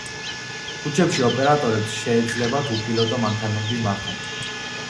ქუჩებში ოპერატორებს შეეძლებათ უპილოტო მანქანები მართონ.